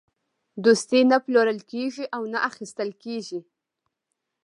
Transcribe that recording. دوستي نه پلورل کېږي او نه اخیستل کېږي.